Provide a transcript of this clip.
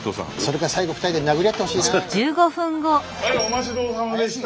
はいお待ちどおさまでした。